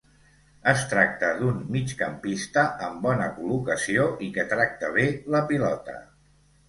Es tracta d'un migcampista amb bona col·locació i que tracta bé la pilota.